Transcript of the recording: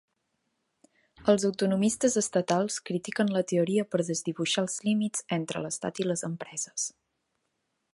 Els autonomistes estatals critiquen la teoria per desdibuixar els límits entre l'estat i les empreses.